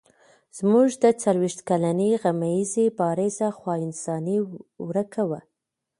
زموږ د څلوېښت کلنې غمیزې بارزه خوا انساني ورکه وه.